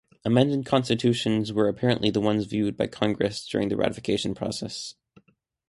Amended constitutions were apparently the ones viewed by Congress during the ratification process.